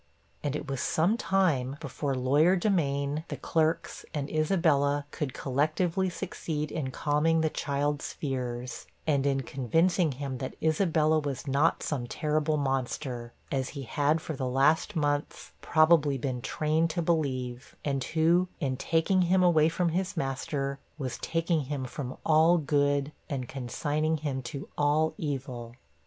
And it was some time before lawyer Demain, the clerks, and Isabella, could collectively succeed in calming the child's fears, and in convincing him that Isabella was not some terrible monster, as he had for the last months, probably, been trained to believe; and who, in taking him away from his master, was taking him from all good, and consigning him to all evil.